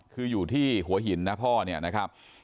คืออยู่ที่หัวหินนะพ่อเนี่ยนะครับ